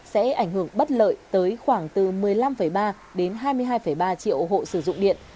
sẽ ảnh hưởng bất lợi tới khoảng từ một mươi năm ba đến hai mươi hai ba triệu hộ sử dụng điện